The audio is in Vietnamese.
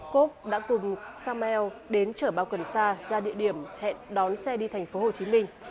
cốp đã cùng samuel đến chở bao cần sa ra địa điểm hẹn đón xe đi thành phố hồ chí minh